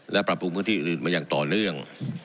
และปรับปรุงพื้นที่อื่นมาอย่างต่อเนื่อง